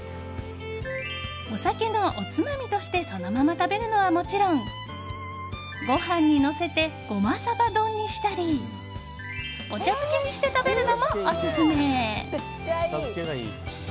お酒のおつまみとしてそのまま食べるのはもちろんご飯にのせてごまさば丼にしたりお茶漬けにして食べるのもオススメ。